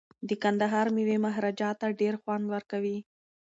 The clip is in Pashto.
د کندهار میوې مهاراجا ته ډیر خوند ورکوي.